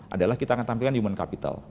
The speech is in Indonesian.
adalah kita akan tampilkan human capital